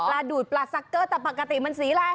ดูดปลาซักเกอร์แต่ปกติมันสีอะไร